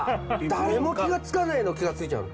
誰も気が付かないの気が付いちゃう。